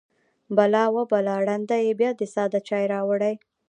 _بلا! وه بلا! ړنده يې! بيا دې ساده چای راوړی.